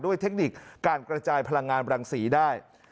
ด้วยเทคนิคการกระจายพลังงานวัลังษีได้